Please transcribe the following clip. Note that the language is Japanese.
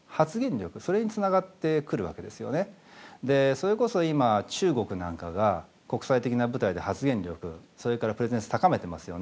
それこそ今中国なんかが国際的な舞台で発言力それからプレゼンス高めてますよね。